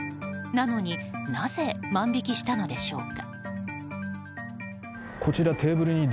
なのに、なぜ万引きしたのでしょうか。